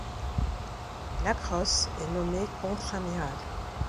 Lacrosse est nommé contre-amiral.